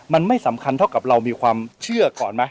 มันไม่สำคัญเท่ากับเรามีความเชื่อก่อนไหม